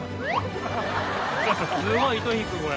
すごい糸引くこれ。